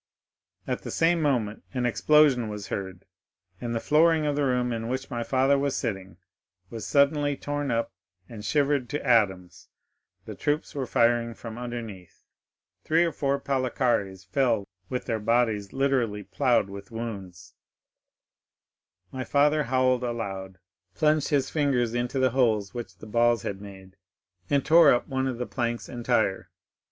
At the same moment an explosion was heard, and the flooring of the room in which my father was sitting was suddenly torn up and shivered to atoms—the troops were firing from underneath. Three or four Palikares fell with their bodies literally ploughed with wounds. "My father howled aloud, plunged his fingers into the holes which the balls had made, and tore up one of the planks entire.